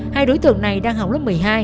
hai đối tượng này đang học lớp một mươi hai